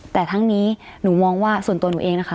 แต่ทั้งนี้หนูมองว่าส่วนตัวหนูเองนะคะ